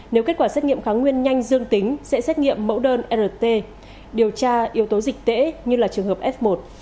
nếu kết quả xét nghiệm kháng nguyên nhanh dương tính sẽ xét nghiệm mẫu đơn rt điều tra yếu tố dịch tễ như là trường hợp f một